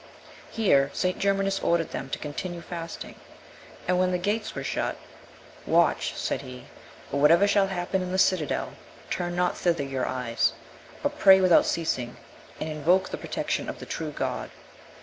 Here St. Germanus ordered them to continue, fasting; and when the gates were shut, "Watch," said he, "and whatever shall happen in the citadel, turn not thither your eyes; but pray without ceasing, and invoke the protection of the true God."